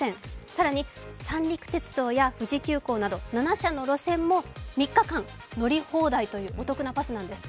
更に三陸鉄道や富士急行など７社の路線も３日間、乗り放題というお得なパスなんです。